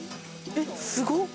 えっすごっ。